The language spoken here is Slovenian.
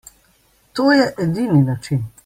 To je edini način.